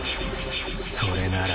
それなら。